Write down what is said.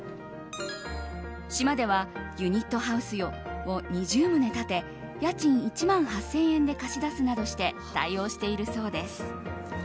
島ではユニットハウスを２０棟建て家賃１万８０００円で貸し出すなどして対応しているそうです。